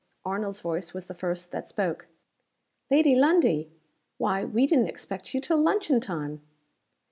Arnold's voice was the first that spoke. "Lady Lundie! Why, we didn't expect you till luncheon time!"